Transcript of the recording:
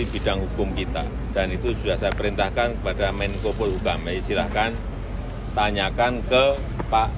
bidang hukum kita dan itu sudah saya perintahkan kepada menko polhukam silahkan tanyakan ke pak